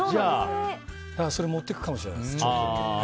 それを持っていくかもしれないです。